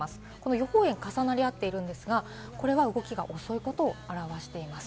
予報円、重なり合っているんですが、これは動きが遅いことを表しています。